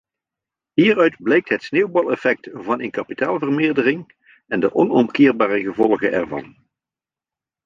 Hieruit blijkt het sneeuwbaleffect van een kapitaalvermeerdering en de onomkeerbare gevolgen ervan.